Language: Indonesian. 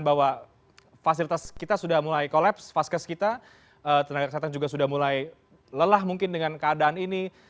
bahwa fasilitas kita sudah mulai kolaps vaskes kita tenaga kesehatan juga sudah mulai lelah mungkin dengan keadaan ini